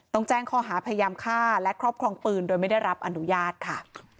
ต้องแจ้งข้อหาพยายามฆ่าและครอบครองปืนโดยไม่ได้รับอนุญาตค่ะ